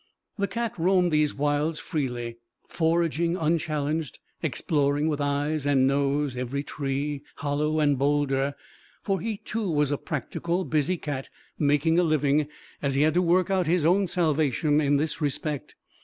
The cat roamed these wilds freely, foraging unchallenged, exploring with eyes and nose every tree, hollow and boulder, for he, too, was a practical, busy cat, making a living, as he had to work out his own salvation in this respect.